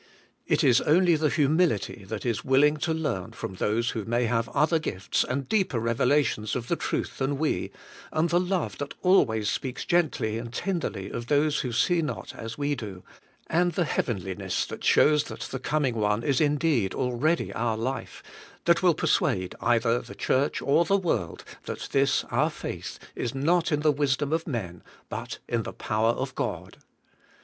It is only the humility that is willing to learn from those who may have other gifts and deeper revelations of the truth than we, and the love that always speaks gently and tenderly of those who see not as we do, and the heavenliness that shows that the Coming One is indeed already our life, that will persuade either the Church or the world that this our faith is not in the wisdom of men, but in the power of God.